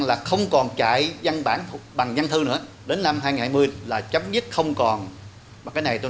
là không còn chạy văn bản bằng nhân thư nữa đến năm hai nghìn hai mươi là chấm dứt không còn mà cái này tôi